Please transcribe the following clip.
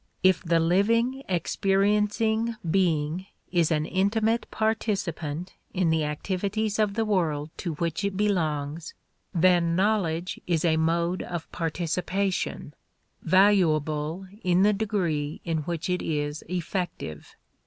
If the living, experiencing being is an intimate participant in the activities of the world to which it belongs, then knowledge is a mode of participation, valuable in the degree in which it is effective.